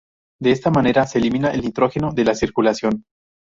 De esta manera se elimina el nitrógeno de la circulación.